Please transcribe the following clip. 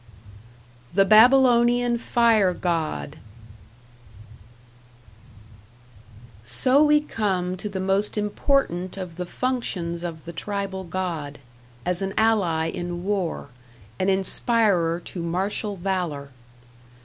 #The Babylonian Fire god# So we come to the most important of the functions of the tribal god, as an ally in war, an inspirer to martial valour.